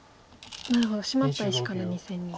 なるほどシマった石から２線に。